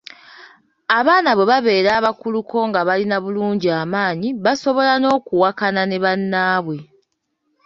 Abaana bwe babeera abakuluko nga balina bulungi amaanyi basobola n’okuwakana ne bannaabwe.